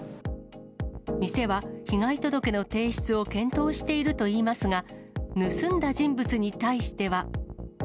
店は被害届の提出を検討しているといいますが、盗んだ人物に対しては。